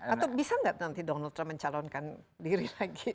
atau bisa nggak nanti donald trump mencalonkan diri lagi